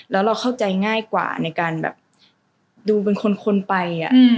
แล้วเราเข้าใจง่ายกว่าในการแบบดูเป็นคนไป